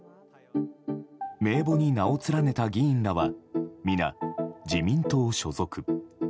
名簿に名を連ねた議員らは皆、自民党所属。